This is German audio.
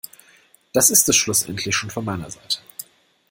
Das ist es schlussendlich schon von meiner Seite.